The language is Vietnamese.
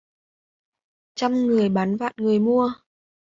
Trăm người bán vạn người mua.